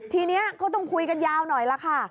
ทีนี้ก็ต้องคุยกันยาวหน่อยล่ะค่ะ